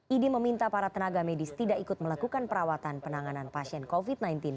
idi meminta para tenaga medis tidak ikut melakukan perawatan penanganan pasien covid sembilan belas